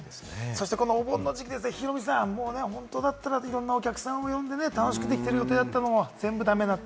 このお盆の時期にヒロミさん、本当だったら、いろんなお客さんを呼んで楽しくできている予定だったのが全部駄目だって。